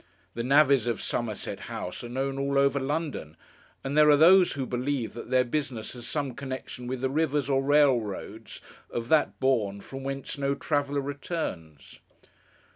The navvies of Somerset House are known all over London, and there are those who believe that their business has some connexion with the rivers or railroads of that bourne from whence no traveller returns.